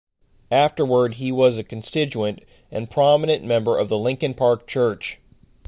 Afterward he was a constituent and prominent member of the Lincoln Park Church.